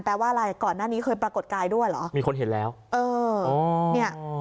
แปลว่าอะไรก่อนหน้านี้เคยปรากฏกายด้วยเหรอมีคนเห็นแล้วเออเนี่ย